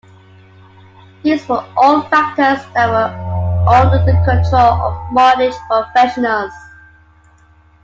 These were all factors that were under the control of mortgage professionals.